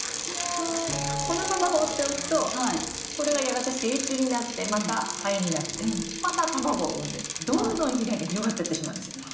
このままほっておくとこれがやがて成虫になってまたハエになってまた卵を産んでどんどん被害が広がってってしまうんですよ。